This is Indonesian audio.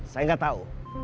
saya enggak tahu